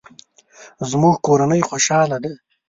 زموږ کورنۍ خوشحاله ده